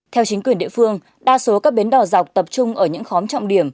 theo chính quyền địa phương đa số các bến đò dọc tập trung ở những khu vực